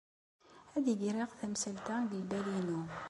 Ad d-greɣ tamsalt-a deg lbal-inu.